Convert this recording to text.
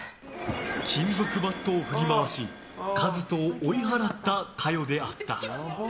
金属バットを振り回し和人を追い払った香世であった。